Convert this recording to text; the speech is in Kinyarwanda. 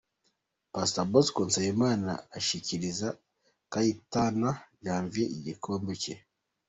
Pastor Bosco Nsabimana ashyikiriza Kayitana Janvier igikombe cye.